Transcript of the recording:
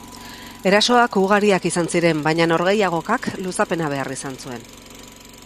Erasoak ugariak izan ziren, baina norgehiagokak luzapena behar izan zuen.